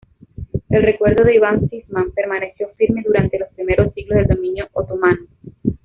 El recuerdo de Iván Sisman permaneció firme durante los primeros siglos del dominio otomano.